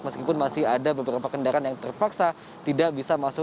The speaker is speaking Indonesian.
meskipun masih ada beberapa kendaraan yang terpaksa tidak bisa masuk